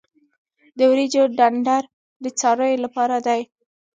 د وریجو ډنډر د څارویو لپاره دی.